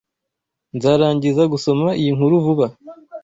Nzarangiza gusoma iyi nkuru vuba.